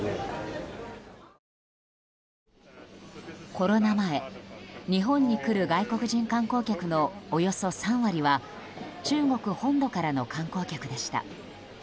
コロナ前、日本に来る外国人観光客のおよそ３割は中国本土からの観光客でした。